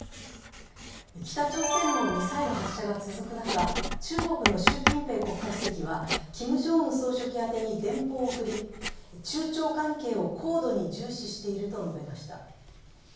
北朝鮮のミサイル発射が続く中、中国の習近平国家主席はキム・ジョンウン総書記宛てに電報を送り中朝関係を高度に重視していると述べました。